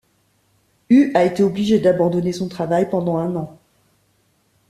Hu a été obligé d'abandonner son travail pendant un an.